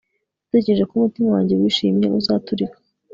natekereje ko umutima wanjye wishimye uzaturika